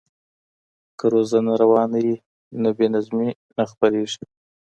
که روزنه روانه وي نو بې نظمي نه خپریږي.